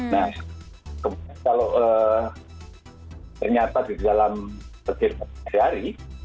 nah kalau ternyata di dalam petir petir sehari